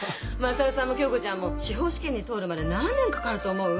優さんも恭子ちゃんも司法試験に通るまで何年かかると思う？